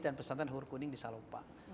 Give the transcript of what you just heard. dan pesantren hurkuning di salopah